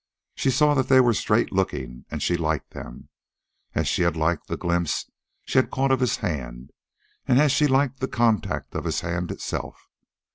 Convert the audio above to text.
She saw that they were straight looking, and she liked them, as she had liked the glimpse she had caught of his hand, and as she liked the contact of his hand itself.